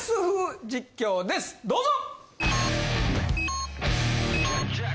どうぞ！